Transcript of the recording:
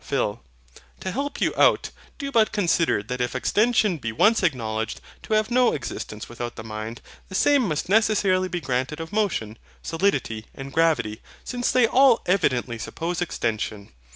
PHIL. To help you out, do but consider that if EXTENSION be once acknowledged to have no existence without the mind, the same must necessarily be granted of motion, solidity, and gravity; since they all evidently suppose extension.